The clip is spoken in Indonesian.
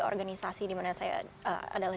organisasi di mana saya adalah